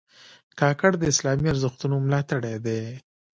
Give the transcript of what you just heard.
کاکړ د اسلامي ارزښتونو ملاتړي دي.